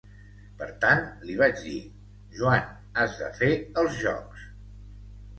Per tant, li vaig dir: "Joan, has de fer els jocs".